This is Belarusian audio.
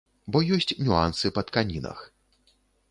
Бо ёсць нюансы па тканінах.